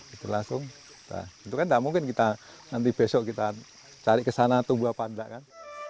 itu langsung itu kan tidak mungkin kita nanti besok kita cari kesana tumbuh apa enggak kan